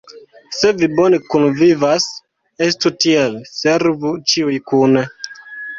Se vi bone kunvivas, estu tiel: servu ĉiuj kune!